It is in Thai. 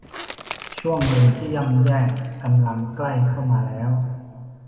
ช่วงเย็นที่ย่ำแย่กำลังใกล้เข้ามาแล้ว